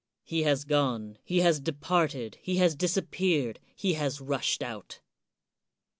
He has gone, he has departed, he has disappeared, he has rushed out.